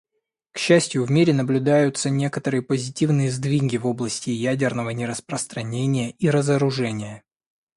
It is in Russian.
К счастью, в мире наблюдаются некоторые позитивные сдвиги в области ядерного нераспространения и разоружения.